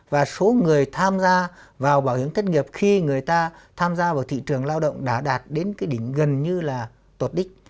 và số người tham gia vào bảo hiểm thất nghiệp khi người ta tham gia vào thị trường lao động đã đạt đến cái đỉnh gần như là tột đích